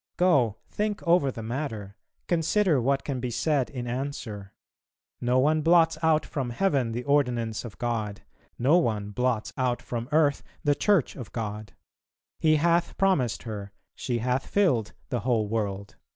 Go, think over the matter, consider what can be said in answer. ... No one blots out from heaven the Ordinance of God, no one blots out from earth the Church of God: He hath promised her, she hath filled, the whole world."